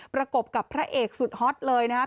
ประกบกับพระเอกสุดฮอตเลยนะครับ